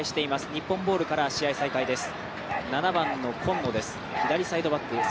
日本ボールから試合再開です。